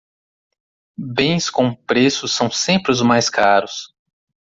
Bens com preços são sempre os mais caros.